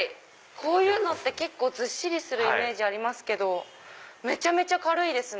こういうのってずっしりするイメージありますけどめちゃめちゃ軽いですね。